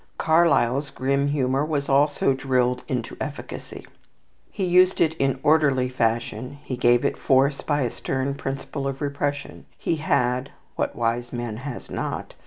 Carlyle's grim humour was also drilled into efficacy. He used it in orderly fashion; he gave it force by a stern principle of repression. He had (what wise man has not?)